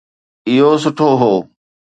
اهو سٺو هو.